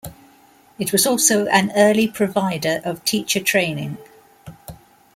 It was also an early provider of teacher training.